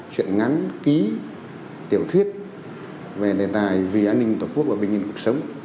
chuyện ngắn ký tiểu thuyết về đề tài vì an ninh tổ quốc và bình yên cuộc sống